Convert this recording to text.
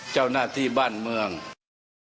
เจ้าหน้าที่บางที